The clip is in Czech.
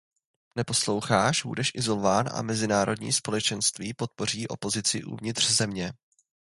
Neposloucháš, budeš izolován a mezinárodní společenství podpoří opozici uvnitř země.